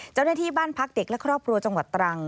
เจ้าหน้าที่บ้านพักเด็กและครอบครัวจังหวัดตรัง